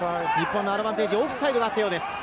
アドバンテージ、オフサイドがあったようです。